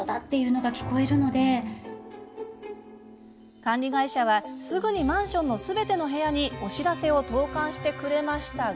管理会社は、すぐにマンションのすべての部屋にお知らせを投かんしてくれましたが。